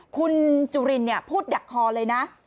คุณจุลินพูดดักคอเลยนะ